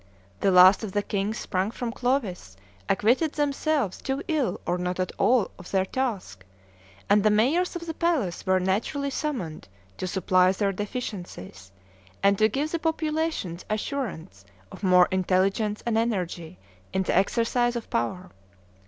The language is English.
The last of the kings sprung from Clovis acquitted themselves too ill or not at all of their task; and the mayors of the palace were naturally summoned to supply their deficiencies, and to give the populations assurance of more intelligence and energy in the exercise of power.